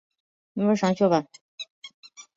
弗莱维。